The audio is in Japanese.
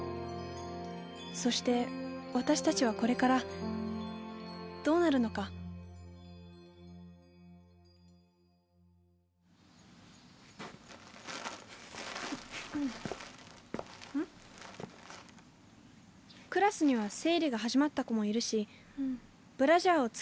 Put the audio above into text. そして私たちはこれからどうなるのかクラスには生理が始まった子もいるしブラジャーをつけてる子もいる。